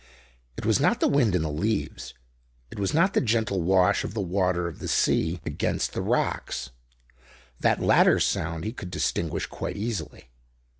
It was not the wind in the leaves, it was not the gentle wash of the water of the sea against the rocks; that latter sound he could distinguish quite easily.